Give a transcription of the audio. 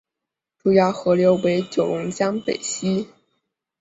主要河流九龙江北溪。